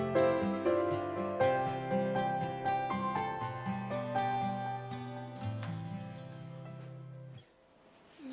tante mau menjelaskan